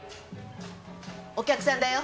お客さんだよ。